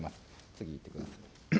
次いってください。